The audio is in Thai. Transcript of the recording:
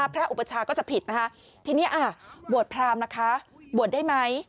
พระอุปจาก็จะผิดที่นี้อ้าวบวชพรามบวชได้ไหม